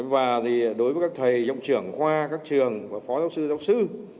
và thì đối với các thầy dọng trưởng khoa các trường và phó giáo sư giáo sư